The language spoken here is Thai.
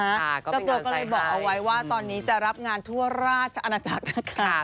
เจ้าตัวก็เลยบอกเอาไว้ว่าตอนนี้จะรับงานทั่วราชอาณาจักรนะคะ